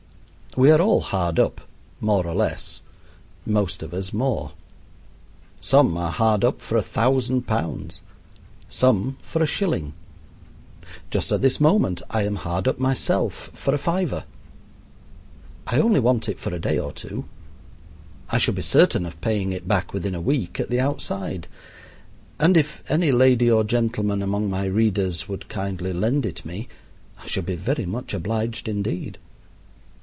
We are all hard up, more or less most of us more. Some are hard up for a thousand pounds; some for a shilling. Just at this moment I am hard up myself for a fiver. I only want it for a day or two. I should be certain of paying it back within a week at the outside, and if any lady or gentleman among my readers would kindly lend it me, I should be very much obliged indeed.